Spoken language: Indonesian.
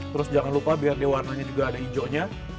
terus jangan lupa biar dia warnanya juga ada hijaunya